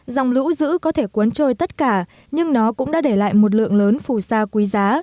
dòng lũ dữ có thể cuốn trôi tất cả nhưng nó cũng đã để lại một lượng lớn phù sa quý giá